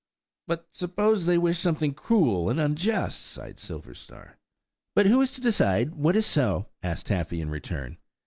"But suppose they wish something cruel and unjust?" sighed Silverstar. "But who is to decide what is so?" asked Taffy in return.